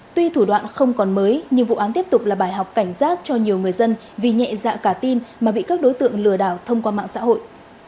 tuy thủ đoạn không còn mới nhưng vụ án tiếp tục là bài học cảnh giác cho nhiều người dân vì nhẹ dạ cả tin mà bị các đối tượng lừa đảo thông qua mạng xã hội